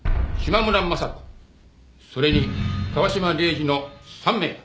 それに川島礼二の３名。